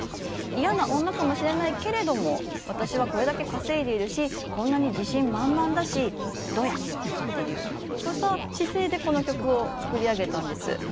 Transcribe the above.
嫌な女かもしれないけれども私はこれだけ稼いでいるしこんなに自信満々だしどや！っていうそうした姿勢でこの曲を作り上げたんです。